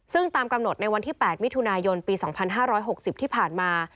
ซึ่งตามกำหนดในวันที่๘มิถุนายนปี๒๕๖๐ที่ผ่านมา